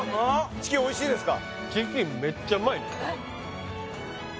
チキンおいしいですか？